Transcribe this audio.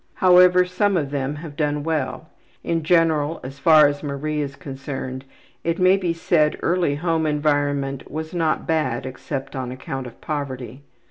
However, some of them have done well. In general, as far as Marie is concerned, it may be said early home environment was not bad except on account of poverty.